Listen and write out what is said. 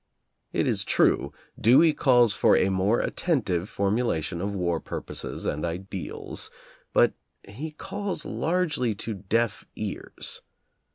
It is true, Dewey calls for a more attentive formulation of war purposes and ideas, but he calls largely to deaf ears.